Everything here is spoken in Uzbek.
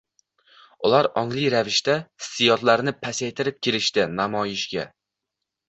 Ular ongli ravishda hissiyotlarini pasaytirib kelishdi namoyishga.